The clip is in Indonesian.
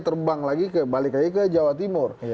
terbang lagi ke jawa timur